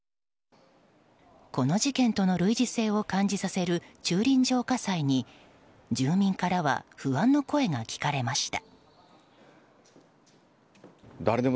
この事件との類似性を感じさせる駐輪場火災に住民からは不安の声が聞かれました。